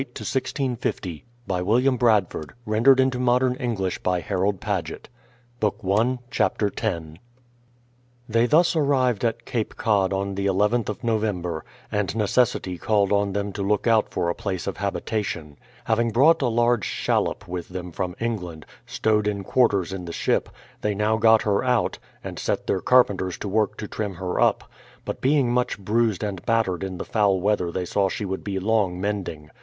CHAPTER X The Pilgrims seek a Site for their Settlement, and discover the Harboiu' of New Plymouth: November December, 1620 They thus arrived at Cape Cod on the nth of Novem ber, and necessity called on them to look out for a place of habitation. Having brought a large shallop with them from England, stowed in quarters in the ship, they now got her out, and set their carpenters to work to trim her up ; but being much bruised and battered in the foul weather they saw she would be long mending.